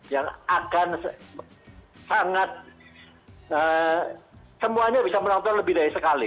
yang akan sangat semuanya bisa menonton lebih dari sekali